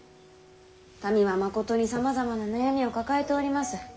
民はまことにさまざまな悩みを抱えております。